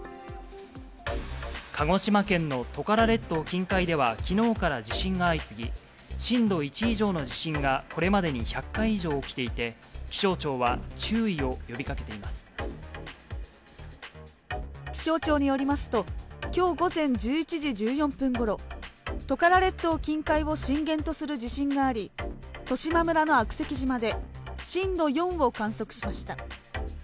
鹿児島県のトカラ列島近海では、きのうから地震が相次ぎ、震度１以上の地震がこれまでに１００回以上起きていて、気象庁気象庁によりますと、きょう午前１１時１４分ごろ、トカラ列島近海を震源とする地震があり、十島村の悪石島で震度４を観測しました。